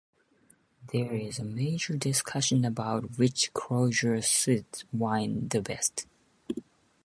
There is a major discussion about which closure suits wine the best.